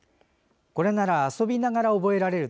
これなら遊びながら覚えられる。